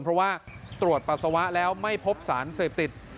เพราะว่าตรวจปัสสาวะแล้วไม่พบสารเสพติด